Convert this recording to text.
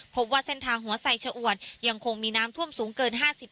พบว่าเส้นทางหัวไสชะอวดยังคงมีน้ำท่วมสูงเกิน๕๐